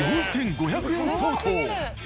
４、５００円相当。